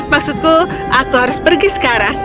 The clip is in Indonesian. maksudku aku harus pergi sekarang